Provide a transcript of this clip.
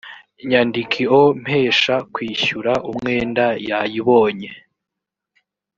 nyandikio mpesha kwishyura umwenda yayibonye